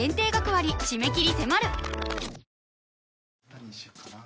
何にしよっかな。